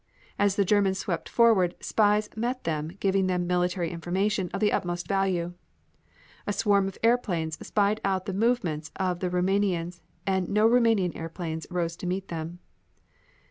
As the Germans swept forward, spies met them giving them military information of the utmost value. A swarm of airplanes spied out the movements of the Roumanians and no Roumanian airplanes rose to meet them.